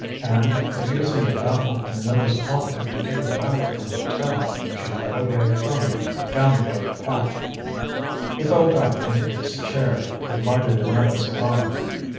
And, refusing the baffled Minot's offer to take her back to the hotel, she fled away from him down the dark path. He fell back into his chair, and lighted another cigar.